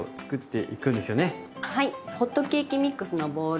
ホットケーキミックスのボウルに水。